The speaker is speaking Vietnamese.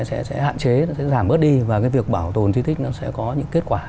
sẽ hạn chế sẽ giảm bớt đi và cái việc bảo tồn di tích nó sẽ có những kết quả